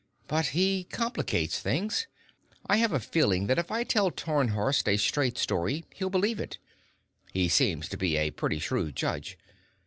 "But he complicates things. I have a feeling that if I tell Tarnhorst a straight story he'll believe it. He seems to be a pretty shrewd judge.